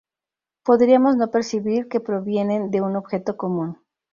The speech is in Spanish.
Podríamos no percibir que provienen de un objeto común.